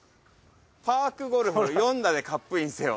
「パークゴルフ４打でカップインせよ！